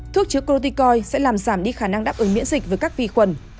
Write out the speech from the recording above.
thuốc chữa corticoid sẽ làm giảm đi khả năng đáp ứng miễn dịch với các vi khuẩn